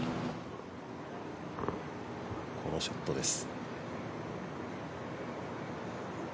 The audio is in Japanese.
このショットです。